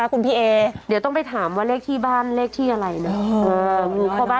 มาหรือต้องไปถามว่าเลขที่บ้านเลขที่อะไรเนอะ